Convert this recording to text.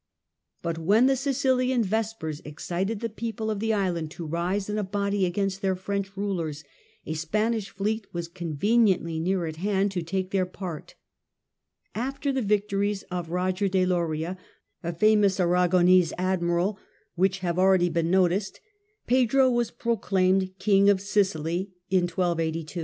But when the SiciHan Vespers excited the people of the island to rise in a body against their French rulers, a Spanish fleet was con veniently near at hand to take their part. After the victories of Koger de Loria, a famous Aragonese ad Prociaimed miral, which have already been noticed (chapter ii.). King, 1282 Pedro was proclaimed King of Sicily.